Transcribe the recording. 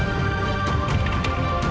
dan tak kenal